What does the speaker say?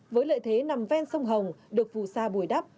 với lợi thế nằm ven sông hồng được phù sa bùi đắp